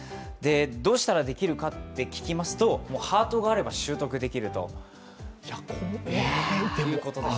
どうしたらできるかって聞きますと、ハートがあれば習得できるということでしたよ。